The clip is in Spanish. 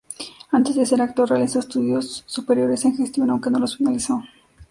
Antes de ser actor, realizó estudios superiores en gestión, aunque no los finalizó.